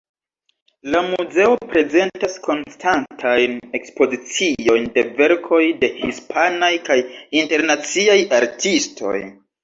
La muzeo prezentas konstantajn ekspoziciojn de verkoj de hispanaj kaj internaciaj artistoj.